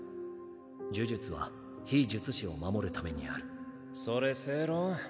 呪術は非術師を守るためにあるそれ正論？